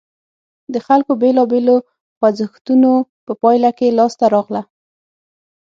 د خلکو بېلابېلو خوځښتونو په پایله کې لاسته راغله.